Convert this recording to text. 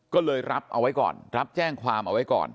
ก็เลยรับเอาไว้ก่อนรับแจ้งความเอาไว้ก่อน